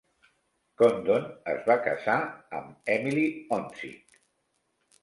Condon es va casar amb Emilie Honzik.